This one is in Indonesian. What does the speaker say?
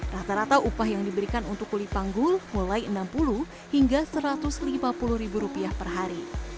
rata rata upah yang diberikan untuk kulipanggul mulai enam puluh hingga rp satu ratus lima puluh ribu rupiah per hari